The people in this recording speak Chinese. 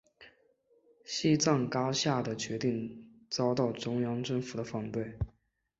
西藏噶厦的决定遭到中央政府的反对。